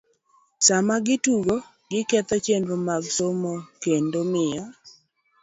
Sama gitugo, giketho chenro mag somo, kendo miyo